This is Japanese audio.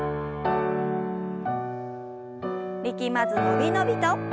力まず伸び伸びと。